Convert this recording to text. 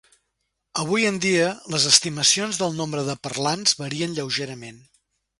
Avui en dia, les estimacions del nombre de parlants varien lleugerament.